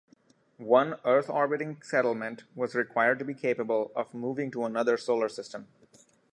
One Earth-orbiting settlement was required to be capable of moving to another solar system.